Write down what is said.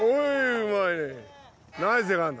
うまい！